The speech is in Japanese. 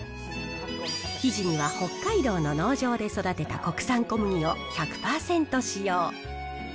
生地には北海道の農場で育てた国産小麦を１００％使用。